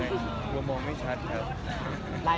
เดี๋ยวมองไม่ชัดครับ